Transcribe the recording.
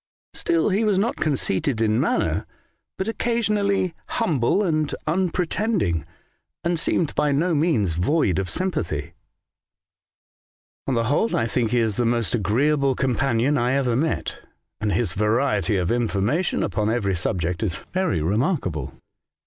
Still he was not conceited in manner, but occasionally A Strange Letter. 45 humble and unpretending, and seemed by no means void of sympathy. '' On the whole, I think he is the most agreeable companion I ever met, and his variety of information upon every subject is very remarkable.